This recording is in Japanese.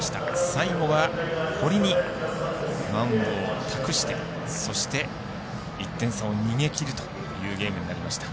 最後は堀にマウンドを託してそして、１点差を逃げきるというゲームになりました。